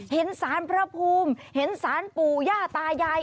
เห็นสารพระภูมิเห็นสารปู่ย่าตายาย